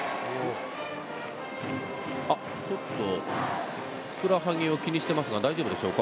あっちょっとふくらはぎを気にしていますが大丈夫でしょうか？